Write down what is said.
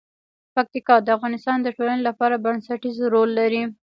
پکتیکا د افغانستان د ټولنې لپاره بنسټيز رول لري.